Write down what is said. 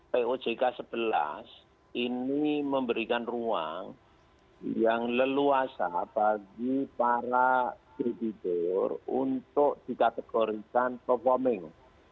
pojk sebelas ini memberikan ruang yang leluasa bagi para kreditur untuk dikategorikan performing